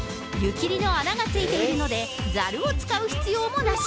湯切りの穴がついているので、ざるを使う必要もなし。